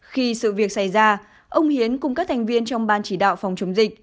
khi sự việc xảy ra ông hiến cùng các thành viên trong ban chỉ đạo phòng chống dịch